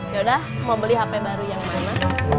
ya udah mau beli hp baru yang mana